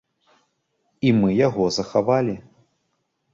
І мы яго захавалі.